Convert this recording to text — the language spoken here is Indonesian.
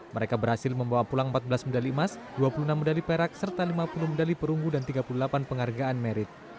mereka berhasil membawa pulang empat belas medali emas dua puluh enam medali perak serta lima puluh medali perunggu dan tiga puluh delapan penghargaan merit